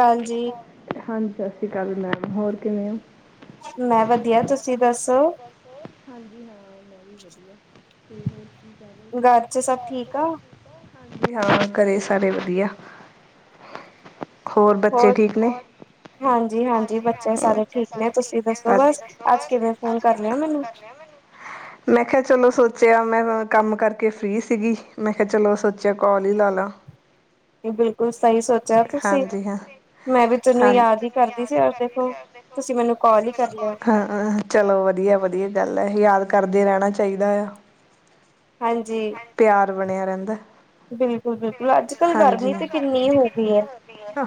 ਹਾਂਜੀ। ਹਾਂਜੀ, ਸਤਿ ਸ੍ਰੀ ਅਕਾਲੀ ਮੈਮ, ਹੋਰ ਕਿਵੇਂ ਹੋ? ਮੈਂ ਵਧੀਆ, ਤੁਸੀਂ ਦੱਸੋ? ਹਾਂਜੀ, ਹਾਂ ਮੈਂ ਵੀ ਵਧੀਆ ਤੇ ਹੋਰ ਕੀ ਕਹਿ ਰਹੇ ਹੋ? ਹਾਂਜੀ, ਹਾਂ ਘਰੇ ਸਾਰੇ ਵਧੀਆ। ਹੋਰ, ਬੱਚੇ ਠੀਕ ਨੇ। ਹਾਂਜੀ, ਹਾਂਜੀ ਬੱਚੇ ਸਾਰੇ ਠੀਕ ਨੇ ਤੁਸੀਂ ਦੱਸੋ ਬਸ ਅੱਜ ਕਿਵੇਂ ਫੋਨ ਕਰ ਲਿਆ ਮੈਨੂੰ? [inaudible] ਮੈਂ ਕਿਹਾ, ਚਲੋ ਸੋਚਿਆ, ਮੈਂ ਕੰਮ ਕਰਕੇ ਫਰੀ ਸੀਗੀ, ਮੈਂ ਕਿਹਾ ਚਲੋ ਸੋਚਿਆ, ਕੋਲ ਹੀ ਲਾ ਲਾ। ਬਿਲਕੁਲ ਸਹੀ ਸੋਚਿਆ ਤੁਸੀਂ, ਮੈਂ ਵੀ ਤੈਨੂੰ ਯਾਦ ਹੀ ਕਰਦੀ ਸੀ। ਹਾਂ। ਚਲੋ ਵਧੀਆ- ਵਧੀਆ ਗੱਲ ਹੈ, ਯਾਦ ਕਰਦੇ ਰਹਿਣਾ ਚਾਹੀਦਾ ਆ। ਹਾਂਜੀ। ਤਾਰ ਬਣਿਆ ਰਹਿੰਦਾ। ਬਿਲਕੁਲ -ਬਿਲਕੁਲ ਅੱਜ ਕਲ ਗਰਮੀ ਤੇ ਕਿੰਨੀ ਹੋ ਗਈ ਹੈ।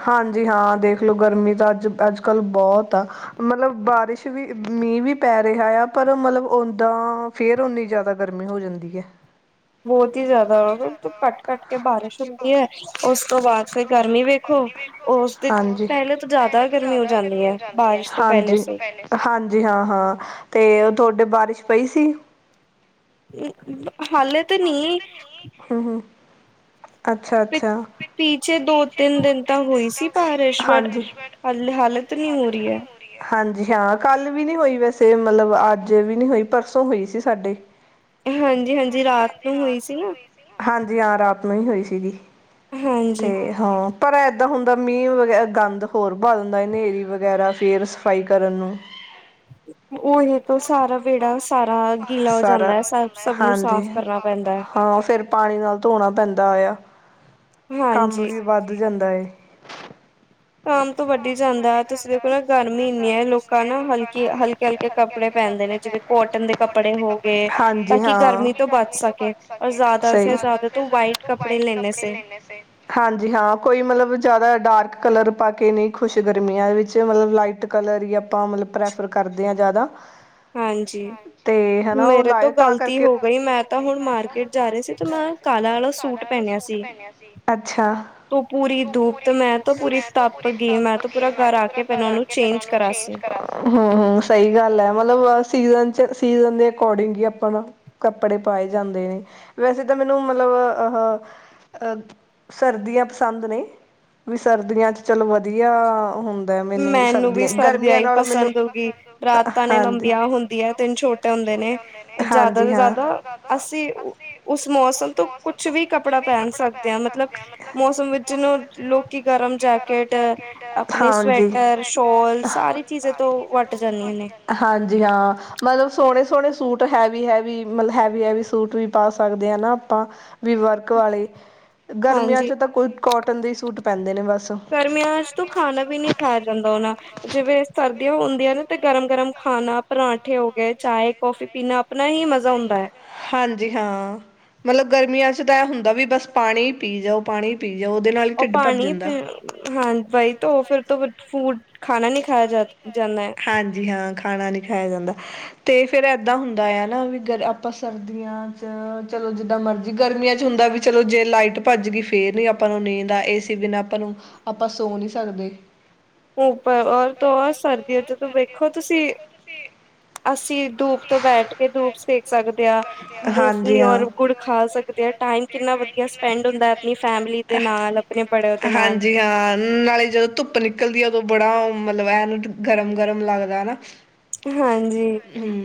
ਹਾਂਜੀ ਹਾਂ ਦੇਖਲੋ ਗਰਮੀ ਤਾਂ ਅੱਜ -ਅੱਜ ਕੱਲ ਬਹੁਤ ਆ। ਮਤਲਬ ਬਾਰਿਸ਼ ਵੀ ਮੀਂਹ ਵੀ ਪੈ ਰਿਹਾ ਆ ਪਰ ਮਤਲਬ ਓਦਾਂ ਫਿਰ ਉਨੀ ਜ਼ਿਆਦਾ ਗਰਮੀ ਹੋ ਜਾਂਦੀ ਹੈ। [inaudible] ਬਹੁਤ ਹੀ ਜ਼ਿਆਦਾ ਕੱਟ-ਕੱਟ ਕੇ ਬਾਰਿਸ਼ ਹੁੰਦੀ ਹੈ, ਉਸ ਤੋਂ ਬਾਅਦ ਫੇ ਗਰਮੀ ਵੀ ਖੋ, ਉਸਦੇ ਪਹਿਲੇ ਤੋਂ ਜ਼ਿਆਦਾ ਗਰਮੀ ਹੋ ਜਾਂਦੀ ਹੈ, ਬਾਰਿਸ਼ ਤੋਂ ਪਹਿਲੇ ਸੀ। ਹਾਂਜੀ, ਹਾਂ-ਹਾਂ ਤੇ ਤੁਹਾਡੇ ਬਾਰਿਸ਼ ਪਈ ਸੀ। ਹਾਲੇ ਤਾਂ ਨੀ। ਹੂੰ। ਪ ਪੀਛੇ ਦੋ ਤਿੰਨ ਦਿਨ ਤਾਂ ਹੋਈ ਸੀ ਬਾਰਿਸ਼ ਵ ਹਲੇ, ਹਾਲਤ ਨੀ ਹੋ ਰਹੀ ਹੈ। ਹਾਂਜੀ, ਹਾਂ ਕੱਲ ਵੀ ਨੀ ਹੋਈ, ਵੈਸੇ ਮਤਲਬ ਅੱਜ ਵੀ ਨੀ ਹੋਈ, ਪਰਸੋਂ ਹੋਈ ਸੀ ਸਾਡੇ। ਹਾਂਜੀ, ਹਾਂਜੀ ਰਾਤ ਨੂੰ ਹੋਈ ਸੀ ਨਾ। ਹਾਂਜੀ, ਹਾਂ ਰਾਤ ਨੂੰ ਹੀ ਹੋਈ ਸੀਗੀ ਤੇ ਹਾਂ, ਪਰ ਏਦਾਂ ਹੁੰਦਾ ਮੀਂਹ ਵ ਗੰਦ ਹੋਰ ਬ ਦਿੰਦਾ, ਹਨੇਰੀ ਵਗੈਰਾ ਫੇਰ ਸਫ਼ਾਈ ਕਰਨ ਨੂੰ। ਉਹੀ। ਸਾਰਾ ਵਿਹੜਾ ਸਾਰਾ ਗੀਲਾ ਹੋ ਜਾਂਦਾ ਹੈ, ਸ ਸਭ ਨੂੰ ਸਾਫ਼ ਕਰਨਾ ਪੈਂਦਾ ਹੈ। ਹਾਂ, ਫਿਰ ਪਾਣੀ ਨਾਲ ਧੋਣਾ ਪੈਂਦਾ ਆ, ਕੰਮ ਵੀ ਵੱਧ ਜਾਂਦਾ। ਕੰਮ ਤਾਂ ਵੱਢੀ ਜਾਂਦਾ ਹੈ ਤੁਸੀਂ ਦੇਖੋ ਨਾ ਗਰਮੀ ਇੰਨੀ ਹੈ ਲੋਕਾਂ ਨਾ ਹਲਕੀ, ਹਲਕੇ -ਹਲਕੇ ਹਲਕੇ ਹਲਕੇ ਕੱਪੜੇ ਪੈਂਦੇ ਨੇ, ਜਿਵੇ ਕੋਟ ਦੇ ਕੱਪੜੇ ਹਾਂਜੀ ਹਾਂ ਗਰਮੀ ਤੋਂ ਬੱਚ ਸਕੇ, ਜ਼ਿਆਦਾ ਸੇ ਜ਼ਿਆਦਾ ਤੂੰ ਵਾਈਟ ਕੱਪੜੇ ਲੈਣੇ ਸੇ। ਹਾਂਜੀ, ਹਾਂ ਕੋਈ ਮਤਲਬ ਜ਼ਿਆਦਾ ਡਾਰਕ ਕਲਰ ਪਾ ਕੇ ਨਹੀਂ ਖੁਸ਼ ਗਰਮੀਆਂ ਵਿੱਚ ਮਤਲਬ ਲਾਈਟ ਕਲਰ ਹੀ ਆਪਾਂ ਮਤਲਬ ਪ੍ਰੈਫਰ ਕਰਦੇ ਹਾਂ, ਜ਼ਿਆਦਾ। ਹਾਂਜੀ। ਮੇਰੇ ਤੋਂ ਗ਼ਲਤੀ ਹੋ ਗਈ, ਮੈਂ ਤਾਂ ਹੁਣ ਮਾਰਕੀਟ ਜਾ ਰਹੀ ਸੀ ਤੇ ਮੈਂ ਮੈਂ ਕਾਲਾ ਆਲਾ ਸੂਟ ਪਹਿਨਿਆ ਸੀ, ਅੱਛਾ। ੳਤੋਂ ਪੂਰੀ ਦੁਪ ਮੈਂ ਤਾਂ ਪੂਰੀ ਤਪ ਗਈ, ਮੈਂ ਤਾਂ ਪੂਰਾ ਘਰ ਆ ਕੇ ੳਨਾ ਨੂੰ ਚੇਂਜ ਕਰਾਤਾ। ਹਮ ਹਮ ਸਹੀ ਗੱਲ ਹੈ, ਮਤਲਬ ਸੀਜਨ 'ਚ ਸੀਜਨ ਦੇ ਅਕੋਰਡਿੰਗ ਹੀ ਅਪਾ ਨਾ ਕੱਪੜੇ ਪਾਏ ਜਾਂਦੇ ਨੇ, ਵੈਸੇ ਤਾਂ ਮੈਨੂੰ ਮਤਲਬ ਅਹ ਅ ਸਰਦੀਆਂ ਪਸੰਦ ਨੇ, ਵੀ ਸਰਦੀਆਂ 'ਚ ਚਲੋ ਵਧੀਆ ਹੁੰ ਮੈਨੂੰ ਵੀ ਸਰਦੀਆਂ ਹੀ ਪਸੰਦ ਹੋਗੀ, ਰਾਤਾਂ ਨੀ ਲੰਬੀਆਂ ਹੁੰਦੀਆਂ। ਦਿਨ ਛੋਟੇ ਹੁੰਦੇ ਨੇ, ਜ਼ਿਆਦਾ ਤੋਂ ਜ਼ਿਆਦਾ ਅਸੀਂ ਉਸ ਮੌਸਮ ਤੋਂ ਕੁਛ ਵੀ ਕੱਪੜਾ ਪਹਿਨ ਸਕਦੇ ਹਾਂ ਮਤਲਬ, ਮੌਸਮ ਵਿੱਚ ਜਿਹਨੂੰ ਲੋਕੀ ਗਰਮ ਜੈਕੇਟ ਆਪਣੇ ਸਵੈਟਰ, ਸ਼ੋਲ, ਸਾਰੀ ਚੀਜ਼ਾਂ ਤੋਂ ਵੱਟ ਜਾਂਦੀਆਂ ਨੇ। ਹਾਂਜੀ, ਹਾਂ ਮਤਲਬ ਸੋਹਣੇ, ਸੋਹਣੇ ਸੂਟ ਹੈਵੀ- ਹੈਵੀ ਮਤਲਬ ਹੈਵੀ- ਹੈਵੀ ਸੂਟ ਵੀ ਪਾ ਸਕਦੇ ਹ ਨਾ ਆਪਾਂ। ਵੀ ਵਰਕ ਵਾਲੇ, ਗਰਮੀਆਂ 'ਚ ਤਾਂ ਕੋਈ ਕੋਟਨ ਦੇ ਸੂਟ ਪੈਂਦੇ ਨੇ ਬਸ। ਗਰਮੀਆਂ ਵਿੱਚ ਤ ਖਾਣਾ ਵੀ ਨਹੀਂੀ ਖਾਇਆ ਜਾਂਦਾ, ਉਹਨਾ ਜਿਵੇਂ ਸਰਦੀਆਂ ਹੁੰਦੀਆਂ ਨੇ ਤੇ ਗਰਮ- ਗਰਮ ਖਾਣਾ ਪਰਾਂਠੇ ਹੋ ਗਏ, ਚਾਹਏ ਕੌਫੀ ਪੀਣਾ, ਆਪਣਾ ਹੀ ਮਜ਼ਾ ਹੁੰਦਾ ਹੈ। ਹਾਂਜੀ ਹਾਂ, ਮਤਲਬ ਗਰਮੀਆਂ ਚ' ਤਾਂ ਇਹ ਹੁੰਦਾ ਵੀ ਬਸ ਪਾਣੀ ਹੀ ਪੀ ਜਾਓ। ਪਾਣੀ ਪੀ ਜਾ ਉਹਦੇ ਨਾਲ ਹੀ ਢਿੱਡ ਭਰ ਜਾਂਦਾ। ਹਾਂ ਬਾਈ ਤੋ, ਉਹ ਫਿਰ ਤੋਂ ਫੂਡ ਖਾਣਾ ਨੀ ਖਾਇਆ ਜਾ ਜਾਂਦਾ ਹੈ। ਹਾਂਜੀ ਹਾਂ, ਖਾਣਾ ਨੀ ਖਾਇਆ ਜਾਂਦਾ। ਤੇ ਫੇਰ ਏਦਾਂ ਹੁੰਦਾ ਆ ਨਾ ਵੀ ਆਪਾਂ ਸਰਦੀਆਂ 'ਚ ਚਲੋ, ਜਿੱਦਾਂ ਮਰਜੀੀ ਗਰਮੀਆਂ 'ਚ ਹੁੰਦਾ ਵੀ ਚਲੋ ਜੇ ਲਾਈਟ ਭੱਜ ਗਈ, ਫੇਰ ਨੀ ਆਪਾਂ ਨੂੰ ਨੀਂਦ ਆ ਏ ਸੀ ਬਿਨਾਂ ਆਪਾਂ ਨੂੰ ਆਪਾਂ ਸੋ ਨੀ ਸਕਦੇ। ਉਪਰ ਰ ਔਰ ਤੋ ਔਰ ਸਰਦੀਆ 'ਚ ਵੇਖੋ ਤੁਸੀਂ ਅਸੀਂ ਧੂਪ ਤੋਂ ਬੈਠ ਕੇ ਧੂਪ ਸੇਕ ਸਕਦੇ ਹਾਂ। ਮੂੰਗਫਲੀ ਔਰ ਗੁੜ ਖਾ ਸਕਦੇ ਆ ਟਾਈਮ ਕਿੰਨਾ ਵਧੀਆ ਸਪੈਂਡ ਹੁੰਦਾ ਹੈ, ਆਪਣੀ ਫੈਮਲੀ ਦੇ ਨਾਲ, ਆਪਣੇ ਬੜਿਆ ਦੇ ਨਾਲ ਨਾਲੇ ਜਦੋਂ ਧੁੱਪ ਨਿਕਲਦੀ ਹੈ ਉਦੋਂ ਬੜਾ ਮਤਲਬ, ਇਹਨ ਗਰਮ- ਗਰਮ ਲੱਗਦਾ, ਹਨਾ। ਹਾਂਜੀ,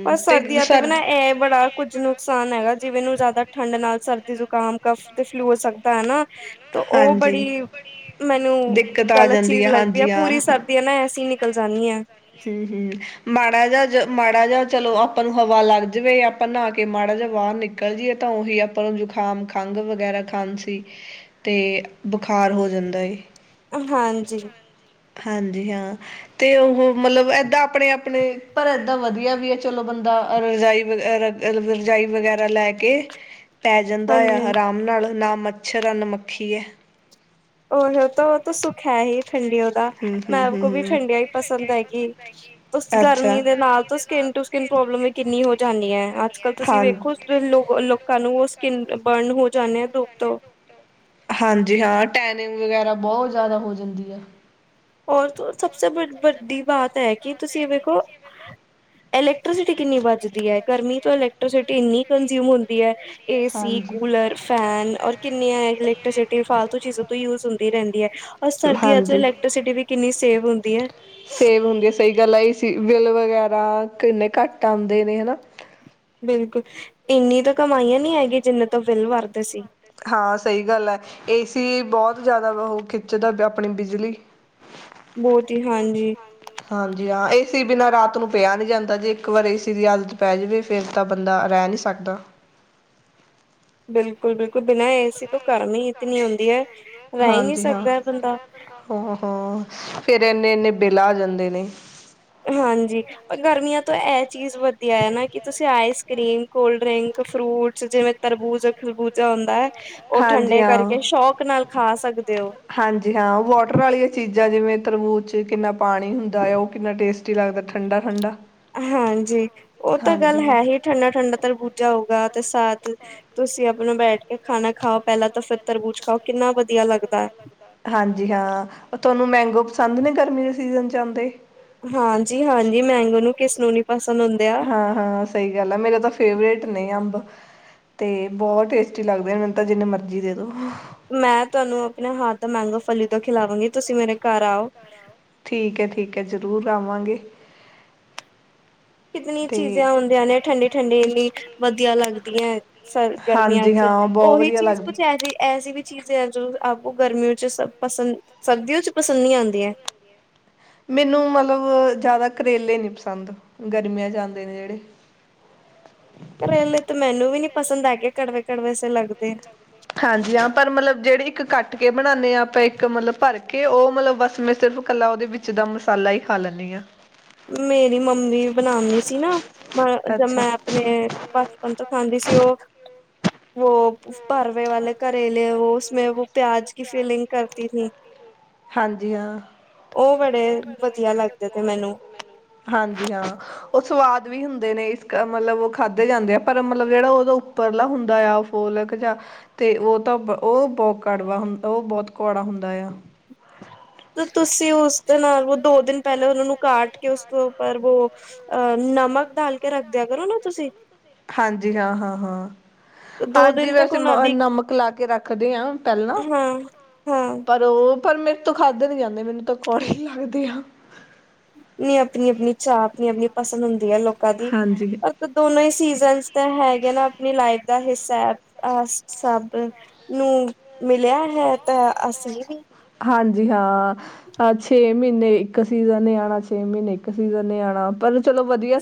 ਪਰ ਸਰਦੀਆਂ ਤੇ ਬਣਾਈ ਇਹ ਬੜਾ ਕੁੱਝ ਨੁਕਸਾਨ ਹੈਗਾ, ਜਿਵੇਂ ਮੈਨੂੰ ਜ਼ਿਆਦਾ ਠੰਢ ਨਾਲ ਸਰਦੀ 'ਚ ਕਫ ਤੇ ਫਲੂ ਹੋ ਸਕਦਾ, ਹਨਾ। ਤਾਂ ਉਹ ਬੜੀ ਮੈਨੂੰ ਗਲਤ ਚੀਜ਼ ਲੱਗਦੀ ਹੈ ਪੂਰੀ ਸਰਦੀ ਨਾ ਅਸੀ ਨਿਕਲ ਜਾਂਦੀ ਹਾਂ। ਹਮ ਹਮ, ਮਾੜਾ ਜਿਹਾ ਜ ਮਾੜਾ ਜਿਹਾ ਚਲੋ ਆਪਾਂ ਨੂੰ ਹਵਾ ਲੱਗ ਜਾਵੇ ਆਪਾਂ ਨਹਾ ਕੇ ਮਾੜਾ ਜਿਹਾ ਬਾਹਰ ਨਿਕਲ ਜਾਈਏ ਤਾਂ ਉਹੀ ਆਪਾਂ ਨੂੰ ਜੁਕਾਮ, ਖੰਘ ਵਗੈਰਾ ਖਾਂਸੀ ਤੇ ਬੁਖਾਰ ਹੋ ਜਾਂਦਾ ਏ। ਹਾਂਜੀ। ਹਾਂਜੀ ਹਾਂ। ਤੇ ਉਹ ਮਤਲਬ ਏਦਾਂ ਆਪਣੇ- ਆਪਣੇ ਪਰ ਏਦਾਂ ਵਧੀਆ ਵੀ ਹੈ ਚਲੋ, ਬੰਦਾ ਰਜਾਈ ਵ ਰਜਾਈ ਵਗੈਰਾ ਲੈ ਕੇ, ਪੈ ਜਾਂਦਾ ਆ ਆਰਾਮ ਨਾਲ, ਨਾ ਮੱਛਰ ਆ ਨਾਮੱਖੀ ਹੈ। ਹੀ ਤਾਂ ਉਹ ਤਾਂ ਸੁੱਖ ਹੈ ਹੀ ਠੰਡੀ ਓਦਾ, ਮੈਂ ਆਪ ਕੋਲ ਵੀ ਠੰਡੀਆਂ ਹੀ ਪਸੰਦ ਹੈਗੀ। ਗਰਮੀ ਦੇ ਨਾਲ ਸਕਿਨ ਟੂ ਸਕਿਨ ਪ੍ਰੋਬਲਮ ਵੀ ਕਿੰਨੀ ਹੋ ਜਾਂਦੀ ਹੈ, ਅੱਜ ਕਲ ਤੁਸੀਂ ਵੇਖੋ ਲੋ ਲੋਕਾਂ ਨੂੰ ਉਹ ਸਕਿਨ ਬਰਨ ਹੋ ਜਾਂਦੇ ਆ ਦੁੱਪ ਤੋਂ। ਹਾਂਜੀ ਹਾਂ, ਟੈਨਿੰਗ ਵਗੈਰਾ ਬਹੁਤ ਜ਼ਿਆਦਾ ਹੋ ਜਾਂਦੀ ਆ। ਔਰ, ਸਭ ਸੇ ਵੱਡੀ ਬਾਤ ਹੈ ਕਿ ਤੁਸੀਂ ਵੇਖੋ ਇਲੈਕਟ੍ਰੀਸਿਟੀ ਕਿੰਨੀ ਵੱਜਦੀ ਹੈ, ਗਰਮੀ ਤੋਂ ਇਲੈਕ ਇਲੈਕਟ੍ਰੀਸਿਟੀ ਇੰਨੀ ਕੰਜ਼ਿਊਮ ਹੁੰਦੀ ਹੈ, ਏ ਸੀ, ਕੂਲਰ ਫੈਨ, ਔਰ ਕਿੰਨੀਆਂ ਇਲੈਕਟ੍ਰੀਸਿਟੀ ਫਾਲਤੂ ਚੀਜ਼ਾਂ ਤੋਂ ਹੀ ਯੂਜ ਹੁੰਦੀ ਰਹਿੰਦੀ ਹੈ, ਔਰ ਸਰਦੀਆਂ 'ਚ ਇਲੈਕਟ੍ਰੀਸਿਟੀ ਇਲੈਕਟ੍ਰੀਸਿਟੀ ਵੀ ਕਿੰਨੀ ਸੇਫ ਹੁੰਦੀ ਹੈ। ਸੇਵ ਹੁੰਦੀ ਆ ਸਹੀ ਗੱਲ ਆ ਸੀ ਬਿਲ ਵਗੈਰਾ, ਕਿੰਨੇ ਘੱਟ ਆਉਂਦੇ ਨੇ ਹਨਾ। ਬਿਲਕੁਲ, ਇੰਨੀ ਤਾਂ ਕਮਾਈਆਂ ਨੀ ਹੈਗੀ, ਜਿੰਨੇ ਤੋਂ ਬਿੱਲ ਵਰਦੇ ਸੀ। ਹਾਂ ਸਹੀ ਗੱਲ ਹੈ, ਏਸੀ ਬਹੁਤ ਜ਼ਿਆਦਾ ਉਹ ਖਿੱਚਦਾ ਆਪਣੀ ਬਿਜਲੀ। ਬਹੁਤ ਹੀ, ਹਾਂਜੀ। ਹਾਂਜੀ ਹਾਂ, ਏ ਸੀ ਬਿਨਾਂ ਰਾਤ ਨੂੰ ਪਿਆ ਨਹੀਂ ਜਾਂਦਾ ਜੇ ਇੱਕ ਵਾਰ ਏ ਸੀ ਦੀ ਆਦਤ ਪੈ ਜਾਵੇਂ। ਫਿਰ ਤਾਂ ਬੰਦਾ ਰਹਿ ਨਹੀਂ ਸਕਦਾ। ਬਿਲਕੁਲ- ਬਿਲਕੁਲ ਬਿਨਾ ਏਸੀ ਤੋਂ ਗਮ ਹੀ ਇਤਨੀ ਆਉਂਦੀ ਹੈ, ਰਹਿ ਹੀ ਨਹੀਂ ਸਕਦਾ ਬੰਦਾ। ਹਾਂ-ਹਾਂ ਫਿਰ ਇੰਨੇ- ਇੰਨੇ ਬੇਲਾ ਆ ਜਾਂਦੇ ਨੇ। ਹਾਂਜੀ, ਪਰ ਗਰਮੀਆਂ ਤੋਂ ਇਹ ਚੀਜ਼ ਵਧੀਆ ਹੈ ਨਾ ਕਿ ਤੁਸੀਂ ice cream cold drink, fruit ਜਿਵੇਂ ਤਰਬੂਜ, ਖਰਬੂਜਾ ਹੁੰਦਾ ਹੈ। ਉਹ ਠੰਡੇ ਕਰਕੇ, ਸ਼ੌਕ ਨਾਲ ਖਾ ਸਕਦੇ ਹੋ। ਹਾਂਜੀ ਹਾਂ, ਵਾਟਰ ਵਾਲੀਆਂ ਚੀਜ਼ਾਂ ਜਿਵੇਂ ਤਰਬੂ 'ਚ ਕਿੰਨਾ ਪਾਣੀ ਹੁੰਦਾ ਆ, ਉਹ ਕਿੰਨਾ ਟੇਸਟ ਟੇਸਟੀ ਲਗਦਾ ਠੰਡਾ- ਠੰਡਾ ਹਾਂਜੀ, ਉਹ ਤਾਂ ਗੱਲ ਹੈ ਹੀ, ਠੰਡਾ- ਠੰਡਾ ਤਰਬੂਜਾ ਹੋਊਗਾ ਤੇ ਸਾਦ ਤੁਸੀਂ ਆਪਣਾ ਬੈਠ ਕੇ ਖਾਣਾ ਖਾਓ ਪਹਿਲਾਂ, ਤਾਂ ਫਿਰ ਤਰਬੂਜ ਖਾਓ, ਕਿੰਨਾ ਵਧੀਆ ਲੱਗਦਾ ਏ। ਹਾਂਜੀ ਹਾਂ, ਉਹ ਤੁਹਾਨੂੰ ਮੈਂਗੋ ਪਸੰਦ ਨੇ ਗਰਮੀ ਦੇ ਸੀਜ਼ਨ 'ਚ ਆਉਂਦੇ। ਹਾਂਜੀ- ਹਾਂਜੀ, ਮੈਂਗੋ ਨੂੰ ਕਿਸਨੂੰ ਨੀ ਪਸੰਦ ਹੁੰਦੇ ਆ। ਹਾਂ, ਸਹੀ ਗੱਲ ਆ, ਮੇਰੇ ਤਾਂ ਫੇਵਰੇਟ ਨੇ ਅੰਬ। ਤੇ ਬਹੁਤ ਟੇਸਟੀ ਲੱਗਦੇ ਨੇ, ਮੈਨੂੰ ਤਾਂ ਜਿੰਨੇ ਮਰਜ਼ੀ ਦੇ ਦੋ। ਮੈਂ ਤੁਹਾਨੂੰ ਆਪਣੇ ਹੱਥ ਦਾ ਮੈਂਗਾ ਫਲੀਦਾ ਖਿਲਾਵਾਂਗੀ, ਤੁਸੀਂ ਮੇਰੇ ਘਰ ਆਓ। ਠੀਕ ਹੈ, ਠੀਕ ਹੈ ਜ਼ਰੂਰ ਆਵਾਂਗੇ। ਕਿੰਨੀ ਚੀਜ਼ਾਂ ਹੁੰਦੀਆਂ ਨੇ, ਠੰਡੀ- ਠੰਡੀ ਇੰਨੀ ਵਧੀਆ ਲੱਗਦੀਆਂ। ਸਰ, ਗਰਮੀਆਂ 'ਚ ਉਹੀ ਚੀਜ਼ ਕੁਛ ਇਹ ਜਿ ਐ ਜਿ ਵੀ ਚੀਜ਼ ਹੈ ਜੋ ਆਪੋ ਗਰਮੀ 'ਚ ਸ ਪਸੰਦ, ਸਰਦੀਆਂ 'ਚ ਪਸੰਦ ਨੀ ਆਉਂਦੀ ਹੈ। ਮੈਨੂੰ ਮਤਲਬ, ਜ਼ਿਆਦਾ ਕਰੇਲੇ ਨੀ ਪਸੰਦ, ਗਰਮੀਆਂ 'ਚ ਆਂਦੇ ਨੇ ਜਿਹੜੇ। ਘਰੇਲੇ ਤਾਂ ਮੈਨੂੰ ਵੀ ਨੀ ਪਸੰਦ ਹੈਗੇ, ਕੜਵੇ- ਕੜਵੇੇ ਸੇ ਲੱਗਦੇ। ਹਾਂਜੀ ਹਾਂ, ਪਰ ਮਤਲਬ ਜਿਹੜੀ ਇੱਕ ਕੱਟ ਕੇ ਬਣਾਉਂਦੇ ਹਾਂ ਆਪਾਂ ਇੱਕ ਮਤਲਬ ਭਰ ਕੇ, ਉਹ ਮਤਲਬ ਬਸ ਮੈਂ ਸਿਰਫ ਇਕੱਲਾ ਉਹਦੇ ਵਿੱਚ। ਵਿੱਚਦਾ ਮਸਾਲਾ ਹੀ ਖਾ ਲੈਂਦੀ ਹਾਂ। ਮੇਰੀ ਮੰਮੀ ਬਣਾਉਣੀ ਸੀ ਨਾ, ਮ ਜ ਮੈਂ ਆਪਣੇ, ਬਚਪਨ ਤੋਂ ਖਾਂਦੀ ਸੀ ਉਹ, ਵੋ ਪਰਵੇ ਵਾਲੇ ਕਰੇਲੇ ਉਹ ਉਸਮੇ ਪਿਆਜ ਕੀ ਫੀਲਿੰਗ ਕਰਤੀਥੀ। ਹਾਂਜੀ ਹਾਂ। ਉਹ ਬੜੇ, ਵਧੀਆ ਲੱਗਦੇ ਤੇ ਮੈਨੂੰ ਹਾਂਜੀ ਹਾਂ। ਉਹ ਸਵਾਦ ਵੀ ਹੁੰਦੇ ਨੇ, ਇਸ ਕ ਮਲਬ ਉਹ ਖਾਧੇ ਜਾਂਦੇ ਆ, ਪਰ ਮਲਬ ਜਿਹੜਾ ਉਹਦਾ ਉ ਪਰਲਾ ਹੁੰਦਾ ਆ ਉਹ ਫੋਲਕ ਜਾਂ ਤੇ ਉਹ ਤਾਂ ਬ, ਉਹ ਬਹੁਤ ਕੜਵਾ ਹੁੰ, ਉਹ ਬਹੁਤ ਕੌੜਾ ਹੁੰਦਾ ਆ। ਤੇ ਤੁਸੀਂ ਉਸਦੇ ਨਾਲ ਵੋ ਦੋ ਦਿਨ ਪਹਿਲਾਂ ਉਹਨਾ ਨੂੰ ਕਾਟ ਕੇ ਉਸ ਤੋਂ ਉੱਪਰ ਵੋ ਅਹ, ਨਮਕ ਡਾਲ ਕੇ ਰੱਖਦਿਆਂ ਕਰੋ ਨਾ ਤੁਸੀਂ। ਹਾਂਜੀ, ਹਾਂ- ਹਾਂ- ਹਾਂ। ਹਾਂਜੀ, ਵੇਸੈ ਮ ਨਮਕ ਲਾ ਕੇ ਰੱਖਦੇ ਹਾਂ ਪਹਿਲਾਂ। ਪਰ ਉਹ, ਪਰ ਮੇਰੇ ਤੋਂ ਖਾਧੇ ਨੀ ਜਾਂਦੇ, ਮੈਨੂੰ ਤਾਂ ਕੌੜੀ ਹੀ ਲੱਗਦੇ ਆ। ਨੀ ਆਪਣੀ ਆਪਣੀ ਚਾਹ, ਆਪਣੀ-ਆਪਣੀ ਪਸੰਦ ਹੁੰਦੀ ਐ, ਲੋਕਾਂ ਦੀ। ਦੋਨੋ ਹੀ ਸੀਜ਼ਨਸ ਤਾਂ ਹੈਗੇ ਨਾ, ਆਪਣੀ ਲਾਈਫ ਦਾ ਹਿੱਸਾ ਆ ਸਭ ਨੂੰ ਮਿਲਿਆ ਹੈ ਤਾਂ ਅਸੀਂ ਵੀ ਹਾਂਜੀ ਹਾਂ। ਹਾਂ, ਛੇ ਮਹੀਨੇ ਇੱਕ ਸੀਜ਼ਨ ਨੇ ਆਣਾ, ਛੇ ਮਹੀਨੇ ਇੱਕ ਸੀਜ਼ਨ ਨੇ ਆਣਾ, ਪਰ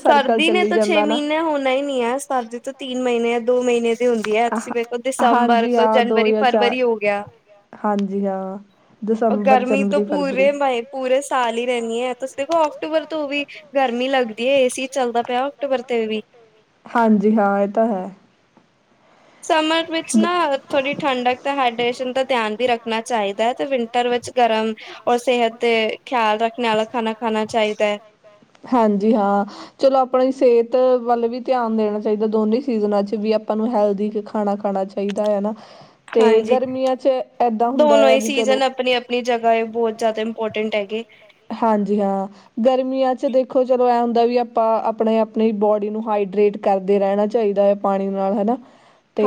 ਸਰਦੀ ਨੇ ਤੋਂ ਛੇ ਮਹੀਨੇਂ ਹੋਣਾ ਹੀ ਨਹੀਂ ਐ, ਸਰਦੀ ਤੋਂ ਤੀਨ ਮਹੀਨੇਂ ਐ ਦੋ ਮਹੀਨੇਂ ਹੁੰਦੀ ਐ, ਤੁਸੀਂ ਵੇਖੋ ਦਸੰਬਰ ਤੋਂ ਜਨਵਰੀ ਫਰਵਰੀ ਹੋ ਗਿਆ। ਹਾਂਜੀ ਹਾਂ। ਗਰਮੀ ਤੋਂ ਪੂਰੇ ਮਹੀ, ਪੂਰੇ ਸਾਲ ਹੀ ਰਹਿਣੀ ਐ, ਤੁਸੀਂ ਦੇਖੋਂ ਅਕਤੂਬਰ ਤੋਂ ਵੀ ਗਰਮੀ ਲੱਗਦੀ ਐ, ਏ ਸੀ ਚੱਲਦਾ ਪਿਆ ਅਕਟੂਬਰ ਤੇ ਵੀ। ਹਾਂਜੀ ਹਾਂ, ਇਹ ਤਾਂ ਹੈ। ਸਮਰ ਵਿੱਚ ਨਾ ਥੋੜ੍ਹੀ ਠੰਡਕ ਤੇ ਹਾਈਡ੍ਰੇਸ਼ਨ ਦਾ ਧਿਆਨ ਵੀ ਰੱਖਣਾ ਚਾਹੀਦਾ ਐ, ਤੇ ਵਿੰਟਰ ਵਿੱਚ ਗਰਮ ਔਰ ਸਿਹਤ ਦੇ ਖ਼ਿਆਲ ਰੱਖਣੇ ਆਲਾ ਖਾਣਾ ਖਾਣਾ ਚਾਹੀਂਦਾ ਐ। ਹਾਂਜੀ ਹਾਂ। ਚਲੋਂ ਆਪਣੀ ਸਿਹਤ ਵੱਲ ਵੀ ਧਿਆਨ ਦੇਣਾ ਚਾਹੀਦਾਂ, ਦੋਨੇ ਸੀਜਨਾਂ ਚ ਵੀ ਆਪਾਂ ਨੂੰ ਹੈਲਦੀ ਖਾਣਾ ਖਾਣਾ ਚਾਹੀਂਦਾ ਐ ਨਾ। ਹਾਂਜੀ, ਦੋਨੋ ਹੀ ਸੀਜਨ ਆਪਣੀ ਆਪ ਣੀ ਜਗ੍ਹਾ ਏ ਬਹੁਤ ਜ਼ਿਆਦਾ ਇੰਪੋਰਟੈਂਟ ਐਗੇ। ਹਾਂਜੀ ਹਾਂ। ਗਰਮੀਆਂ ਚ ਦੇਖੋਂ ਚਲੋਂ ਐ ਹੁੰਦਾ ਵੀ, ਆਪਾਂ ਆਪਣੇ ਆਪਣੀ ਬੋਡੀ ਨੂੰ ਹਾਈਡਰੇਟ ਕਰਦੇ ਰਹਿਣਾ ਚਾਹੀਦਾਂ ਆ, ਪਾਣੀ ਨਾਲ ਹਨਾ, ਤੇ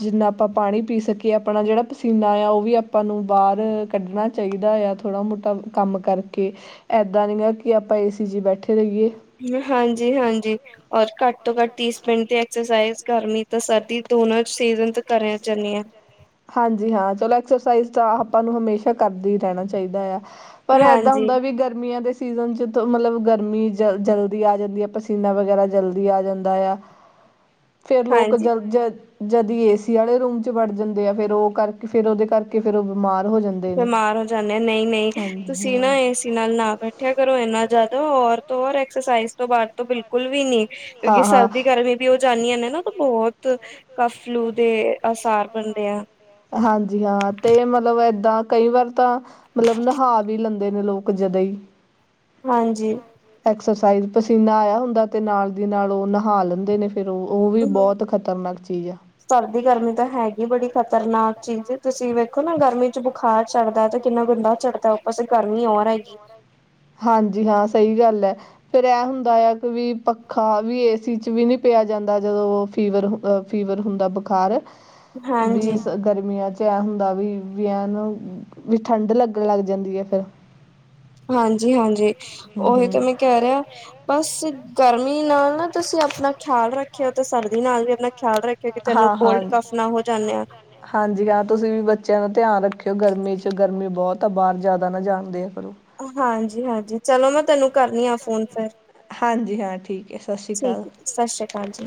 ਜਿੰਨਾ ਆਪਾਂ ਪਾਣੀ ਪੀ ਸਕੀਏ, ਆਪਣਾ ਜਿਹੜਾ ਪਸੀਨਾ ਆ ਉਹ ਵੀ ਆਪਾਂ ਨੂੰ ਬਾਹਰ ਕੱਢਣਾ ਚਾਹੀਦਾਂ ਆ ਥੋੜ੍ਹਾ ਮੋਟਾ ਕੰਮ ਕਰਕੇ, ਇੱਦਾਂ ਨਹੀਂ ਗਾ ਕਿ ਆਪਾਂ ਏ ਸੀ ਚ ਬੈਠੇ ਰਹੀਏ। ਹਾਂਜੀ-ਹਾਂਜੀ। ਔਰ ਘੱਟ ਤੋਂ ਘੱਟ ਤੀਸ ਮਿੰਟ ਦੀ ਐਕਸਰਸਾਈਜ਼ ਗਰਮੀ ਤੇ ਸਰਦੀ ਦੋਨੋ ਸੀਜ਼ਨ ਕਰਨ ਚਨੀ ਆ। ਹਾਂਜੀ ਹਾਂ, ਚਲੋਂ ਐਕਸਰਸਾਈਜ਼ ਤਾਂ ਆਪਾਂ ਨੂੰ ਹਮੇਸ਼ਾ ਕਰਦੇ ਹੀ ਰਹਿਣਾ ਚਾਹੀਦਾ ਆ। ਪਰ ਇਦਾਂ ਹੁੰਦਾ ਵੀ ਗਰਮੀਆਂ ਦੇ ਸੀ ਸੀਜ਼ਨ 'ਚ ਤ ਮਲਬ ਗਰਮੀ ਜ ਜਲਦੀ ਆ ਜਾਂਦੀ ਆ, ਪਸੀਨਾ ਵਗੈਰਾ ਜਲਦੀ ਆ ਜਾਂਦਾ ਆ। [inaudible] ਫੇਰ ਲੋਕ ਜਦ ਜ ਜਦੀ ਏਸੀ ਆਲੇ ਰੂਮ 'ਚ ਵੜ ਜਾਂ ਦੇ ਆ, ਫੇਰ ਉਹ ਕਰਕੇ ਫੇਰ ਉਹਦੇ ਕਰਕੇ ਫੇਰ ਉਹ ਬਿਮਾਰ ਹੋ ਜਾਂ ਬਿਮਾਰ ਹੋ ਜਾਂਨੇ ਆ, ਨਹੀਂ-ਨਹੀਂ ਤੁਸੀਂ ਨਾ ਏ ਸੀ ਨਾਲ ਨਾ ਬੈਠਿਆਂ ਕਰੋ ਇੰਨਾ ਜ਼ਿਆਦਾ, ਔਰ ਤੋਂ ਔਰ ਐਕਸਰਸਾਈਜ਼ ਤੋਂ ਬਾਅਦ ਤੋਂ ਬਿਲ ਕੁਲ ਵੀ ਨੀ, ਕਿਉਂਕਿ ਸਰਦੀ ਗਰਮੀ ਵੀ ਉਹ ਜਾਂਦੀਆਂ ਨੇ ਨਾ, ਉਹ ਬਹੁਤ ਕਫ ਫਲੂ ਦੇ ਆਸਾਰ ਬਣਦੇ ਆ। ਹਾਂਜੀ ਹਾਂ, ਤੇ ਮਲਬ ਏਦਾਂ ਕਈ ਵਾਰ ਤਾਂ ਮਤਲਬ ਨਹਾ ਵੀ ਲੈਂਦੇ ਨੇ ਲੋਕ ਜਦ ਹੀ। ਹਾਂਜੀ। ਐਕਸਰਸਾਈਜ਼ ਪਸੀਨਾ ਆਇਆ ਹੁੰਦਾ, ਤੇ ਨਾਲ ਦੀ ਨਾਲ ਉਹ ਨਹਾ ਲੈਂਦੇ ਨੇ। ਫਿਰ ਉਹ ਉਹ ਵੀ ਬਹੁਤ ਖਤਰਨਾਕ ਚੀਜ਼ ਆ। ਸਰਦੀ ਗਰਮੀ ਤਾਂ ਹੈਗੀ ਬੜੀ ਖ਼ਤਰਨਾਕ ਚੀਜ਼, ਤੁਸੀਂ ਵੇਖੋ ਨਾ ਗਰਮੀ ਚ ਬੁਖਾਰ ਚੜ੍ਹਦਾ ਤੇ ਕਿੰਨਾ ਗੰਦਾ ਚੜ੍ਹਦਾ, ਉਪਰਸ ਗਰਮੀ ਔਰ ਆਏਗੀ ਹਾਂਜੀ ਹਾਂ, ਸਹੀ ਗੱਲ ਹੈ। ਫੇਿਰ ਇਹ ਹੁੰਦਾ ਆ ਵੀ ਪੱਖਾ ਵੀ, ਏਸੀ ਚ' ਵੀ ਨਹੀਂੀ ਪਿਆ ਜਾਂਦਾ ਜਦੋਂ ਫੀਵਰ ਫੀਵਰ ਹੁੰਦਾ ਬੁਖਾਰ, ਵੀ ਗਰਮੀਆਂ 'ਚ ਕਿਆ ਹੁੰਦਾ ਵੀ, ਵੀ ਨੂੰ ਵੀ ਠੰਢ ਲੱਗਣ ਲੱਗ ਜਾਂਦੀ ਹੈ ਫੇਰ ਹਾਂਜੀ ਹਾਂਜੀ, ਉ ਓਹੀ ਤੇ ਮੈਂ ਕਹਿ ਰਿਹਾ। ਬਸ ਗਰਮੀ ਨਾਲ ਨਾ ਤੁਸੀਂ ਆਪਣਾ ਖਿਆਲ ਰੱਖਿੳ ਤੇ ਸਰਦੀ ਨਾਲ ਵੀ ਆਪਣਾ ਖਿਆਲ ਰੱਖਿਆ ਕਿ ਤੈਨੂੰ ਕੋਲਡ ਕਫ ਨਾ ਹੋ ਜਾਂਦੇ ਆ। ਹਾਂਜੀ ਹਾਂ, ਤੁਸੀਂ ਵੀ ਬੱਚਿਆਂ ਦਾ ਧਿਆਨ ਰੱਖਿਓ ਗਰਮੀ 'ਚ ਗਰਮੀ ਬਹੁਤ ਆ, ਬਾਹਰ ਜ਼ਿਆਦਾ ਨਾ ਜਾਣ ਦਿਆ ਕਰੋ। ਹਾਂਜੀ ਹਾਂਜੀ, ਚਲੋ ਮੈਂ ਤੈਨੂੰ ਕਰਨੀ ਹ ਫੋਨ ਫੇਿਰ। ਹਾਂਜੀ ਹਾਂ, ਠੀਕ ਹੈ। ਠੀਕ ਹੈ ਜੀ, ਸਤਿ ਸ਼੍ਰੀ ਅਕਾਲ ਜੀ।